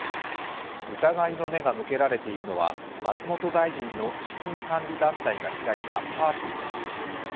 疑いの目が向けられているのは松本大臣の資金管理団体が開いたパーティーです。